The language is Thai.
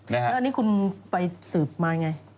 แล้วนี่คุณไปสืบมาอย่างไร